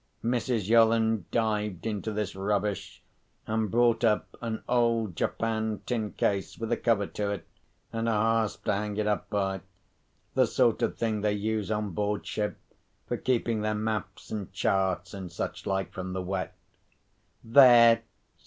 Mrs. Yolland dived into this rubbish, and brought up an old japanned tin case, with a cover to it, and a hasp to hang it up by—the sort of thing they use, on board ship, for keeping their maps and charts, and such like, from the wet. "There!"